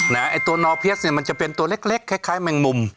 ไนค์ตัวนอยพีเอสมันจะเป็นตัวเล็กคล้ายแมงมุม